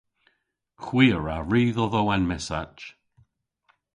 Hwi a wra ri dhodho an messach.